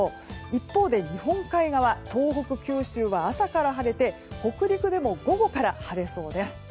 一方で日本海側、東北、九州は朝から晴れて北陸でも午後から晴れそうです。